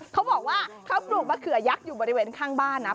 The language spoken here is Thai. เขาบอกว่าเขาปลูกมะเขือยักษ์อยู่บริเวณข้างบ้านนะ